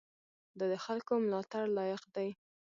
دا د خلکو ملاتړ لایق دی.